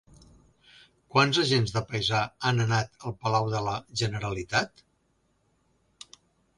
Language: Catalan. Quants agents de paisà han anat al Palau de la Generalitat?